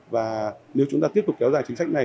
và nếu chúng ta tiếp tục kéo dài chính sách này